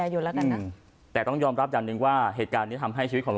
ยนแล้วกันอ่ะแต่ต้องยอมรับอย่างหนึ่งว่าเหตุการณ์นี้ทำให้ชีวิตของ